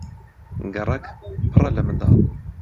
گەڕەک پڕە لە منداڵ.